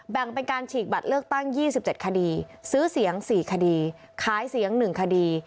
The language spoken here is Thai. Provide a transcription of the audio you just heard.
แบ่งเป็นการฉีกบัตรเลือกตั้ง๒๗คดีซื้อเสียง๔คดีขายเสียง๑คดี